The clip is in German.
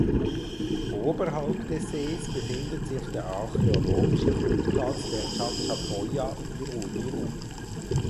Oberhalb des Sees befindet sich der archäologische Fundplatz der Chachapoya Viru Viru.